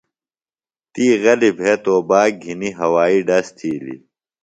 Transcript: تی غلی بھےۡ توباک گِھنی ہوائی ڈز تِھیلیۡ۔